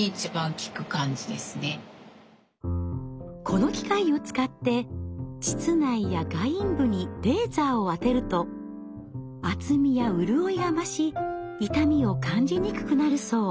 この機械を使って膣内や外陰部にレーザーを当てると厚みやうるおいが増し痛みを感じにくくなるそう。